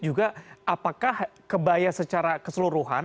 juga apakah kebaya secara keseluruhan